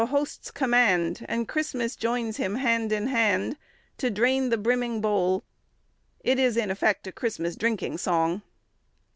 host's command, And Christmas joins him hand in hand, To drain the brimming bowl." It is in effect a Christmas drinking song.